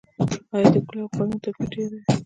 آیا د کلیو او ښارونو توپیر ډیر دی؟